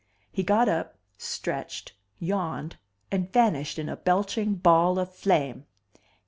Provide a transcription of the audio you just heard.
He got up, stretched, yawned, and vanished in a belching ball of flame.